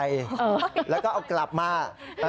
อาจจะรีบไปเรียกค่าทายแล้วก็เอากลับมา